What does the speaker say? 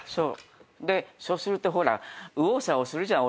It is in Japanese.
そうするとほらっ右往左往するじゃん大人たちが。